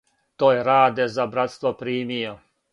То је Раде за братство примио,